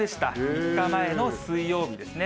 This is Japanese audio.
２日前の水曜日ですね。